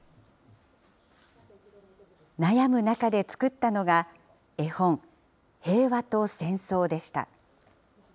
悩む中で作ったのが絵本、へいわとせんそうでした。